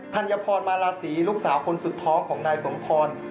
ัญพรมาลาศีลูกสาวคนสุดท้องของนายสมพร